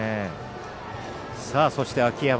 そして、秋山。